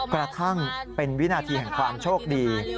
กระทั่งเป็นวินาทีแห่งความโชคดี